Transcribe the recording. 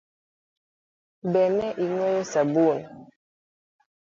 Be ne ing'iewo sabun ?